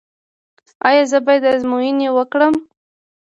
ایا زه باید ازموینې وکړم؟